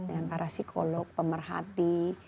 dan para psikolog pemerhati